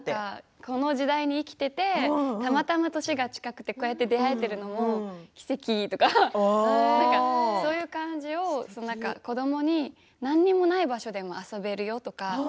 この時代に生きていてたまたま年が近くて、こうやって出会えているのは奇跡とかそういう感じを子どもに何もない場所でも遊べるよとか